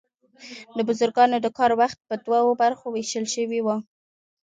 د بزګرانو د کار وخت په دوو برخو ویشل شوی و.